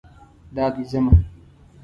دا دی ځمه